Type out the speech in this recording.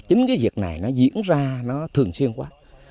chính cái việc này nó diễn ra nó thường xuyên quá